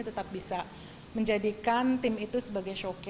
tetap bisa menjadikan tim itu sebagai showcase kami